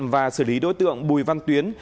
và xử lý đối tượng bùi văn tuyến